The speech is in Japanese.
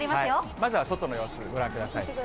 まずは外の様子、ご覧くださきれい。